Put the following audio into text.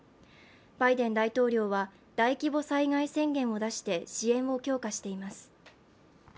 バイデン大統領は大規模災害宣言を出して、支援を強化しています。